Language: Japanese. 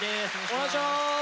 お願いします。